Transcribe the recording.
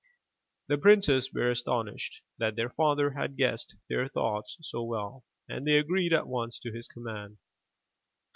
The princes were astonished that their father had guessed their thoughts so well, and they agreed at once to his command.